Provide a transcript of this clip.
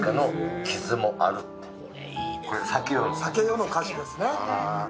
「酒よ」の歌詞ですね。